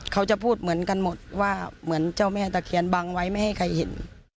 เขาจะพูดเหมือนกันหมดว่าเหมือนเจ้าแม่ตะเคียนบังไว้ไม่ให้ใครเห็น